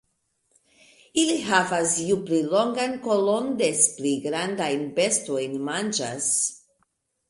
Ili havas ju pli longan kolon des pli grandajn bestojn manĝas.